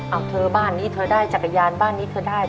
เอาเธอบ้านนี้เธอได้จักรยานบ้านนี้เธอได้